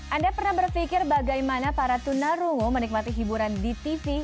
anda pernah berpikir bagaimana para tunarungu menikmati hiburan di tv